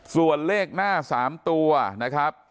ส่วนเลขหน้า๓ตัวนะครับ